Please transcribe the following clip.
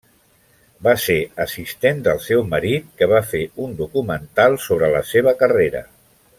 Va ser assistent del seu marit, que va fer un documental sobre la seva carrera.